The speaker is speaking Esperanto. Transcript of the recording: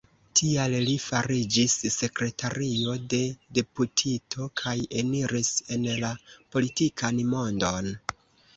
Tial li fariĝis sekretario de deputito, kaj eniris en la politikan mondon.